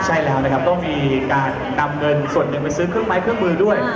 ใช่แล้วนะครับต้องมีการนำเงินส่วนหนึ่งไปซื้อเครื่องไม้เครื่องมือด้วย